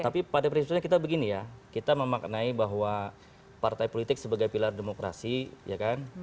tapi pada prinsipnya kita begini ya kita memaknai bahwa partai politik sebagai pilar demokrasi ya kan